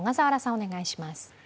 お願いします。